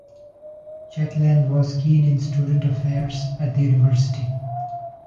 Checkland was keen in student affairs at the university.